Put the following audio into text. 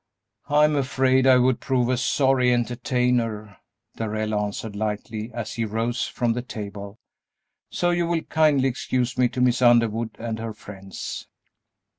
"I'm afraid I would prove a sorry entertainer," Darrell answered, lightly, as he rose from the table, "so you will kindly excuse me to Miss Underwood and her friends."